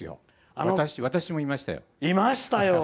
私もいました。